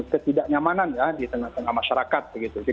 ketidaknyamanan ya di tengah tengah masyarakat